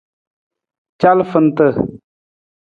Calafanta.